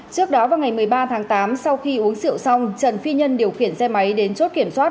trước đó vào ngày một mươi ba tháng tám sau khi uống rượu xong trần phi nhân điều khiển xe máy đến chốt kiểm soát